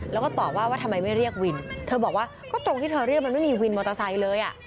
แล้วก็ตอบว่าว่าทำไมไม่เรียกวินเธอบอกว่าก็ตรงที่เธอเรียกมันไม่มีวินมอเตอร์ไซค์เลยอ่ะ